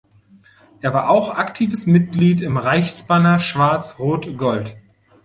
Er war auch aktives Mitglied im Reichsbanner Schwarz-Rot-Gold.